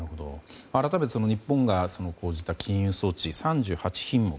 改めて、日本が講じた禁輸措置３８品目